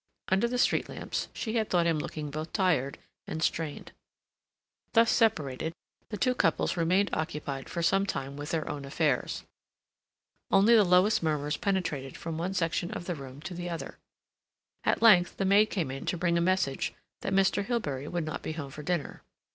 Under the street lamps she had thought him looking both tired and strained. Thus separated, the two couples remained occupied for some time with their own affairs. Only the lowest murmurs penetrated from one section of the room to the other. At length the maid came in to bring a message that Mr. Hilbery would not be home for dinner.